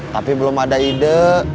tapi belum ada ide